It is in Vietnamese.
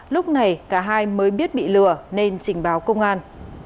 lúc này cả hai mới biết bị lừa nên trình báo công an